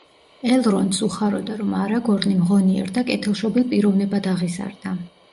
ელრონდს უხაროდა, რომ არაგორნი ღონიერ და კეთილშობილ პიროვნებად აღიზარდა.